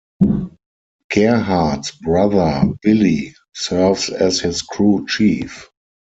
Gerhart's brother Billy serves as his crew chief.